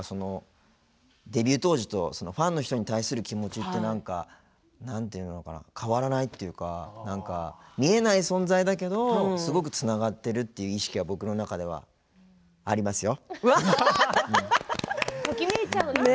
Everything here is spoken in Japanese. デビュー当時とファンの人に対する気持ちってなんていうのかな変わらないっていうか見えない存在だけどすごくつながっているという意識が僕の中ではありますよ！ときめいちゃう。